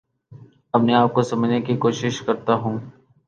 اپنے آپ کو سمجھنے کی کوشش کرتا ہوں